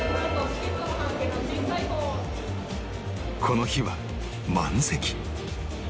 この日は満席